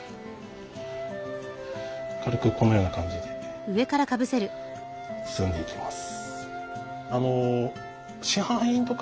軽くこのような感じで包んでいきます。